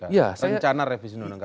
rencana revisi undang undang kpk